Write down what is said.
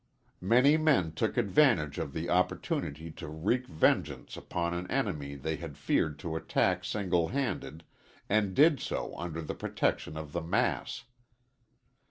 Many men took advantage of the opportunity to wreak vengeance upon an enemy they had feared to attack single handed and did so under the protection of the mass.